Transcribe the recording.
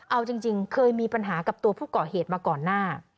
เอาจริงเคยมีปัญหากับตัวผู้ก่อเหตุมาก่อนหน้า